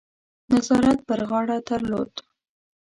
نظارت پر غاړه درلود.